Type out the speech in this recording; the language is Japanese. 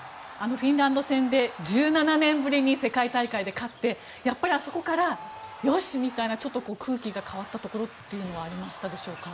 フィンランド戦で１７年ぶりに世界大会で勝ってやっぱり、あそこからよし、みたいな空気が変わったところはありましたでしょうか？